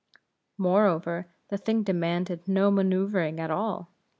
Moreover, the thing demanded no manoeuvring at all.